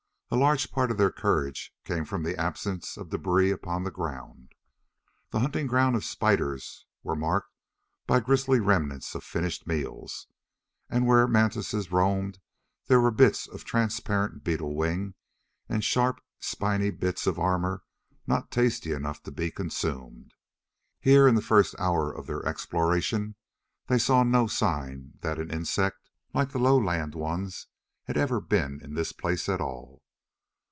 A large part of their courage came from the absence of debris upon the ground. The hunting grounds of spiders were marked by grisly remnants of finished meals, and where mantises roamed there were bits of transparent beetle wings and sharp spiny bits of armor not tasty enough to be consumed. Here, in the first hour of their exploration, they saw no sign that an insect like the lowland ones had ever been in this place at all.